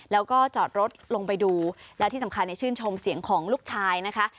แล้วก็จอดรถลงไปดูและที่สำคัญชื่นชมเสียงของลูกชายนะคะ